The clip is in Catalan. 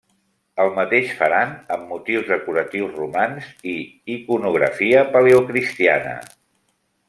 El mateix faran amb motius decoratius romans i iconografia paleocristiana.